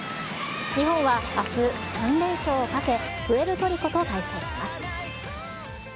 日本はあす、３連勝をかけプエルトリコと対戦します。